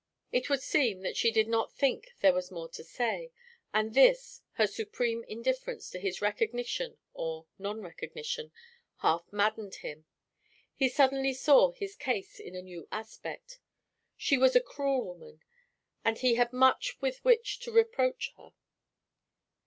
It would seem that she did not think there was more to say; and this, her supreme indifference to his recognition or non recognition, half maddened him. He suddenly saw his case in a new aspect she was a cruel woman, and he had much with which to reproach her.